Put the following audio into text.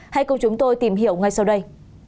hãy cùng chúng tôi tìm hiểu ngay sau đây